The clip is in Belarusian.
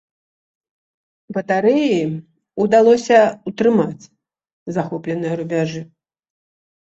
Батарэі ўдалося ўтрымаць захопленыя рубяжы.